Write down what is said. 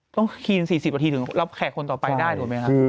ต้องคลีน๔๐นาทีถึงรับแขกคนต่อไปได้หรือเปล่าครับ